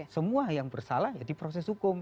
semua yang bersalah ya di proses hukum